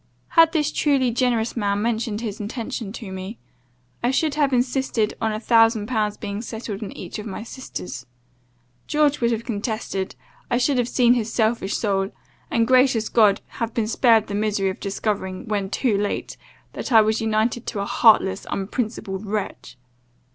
"Had this truly generous man mentioned his intention to me, I should have insisted on a thousand pounds being settled on each of my sisters; George would have contested; I should have seen his selfish soul; and gracious God! have been spared the misery of discovering, when too late, that I was united to a heartless, unprincipled wretch.